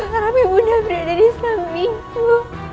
aku harap ibunda berada di selamiku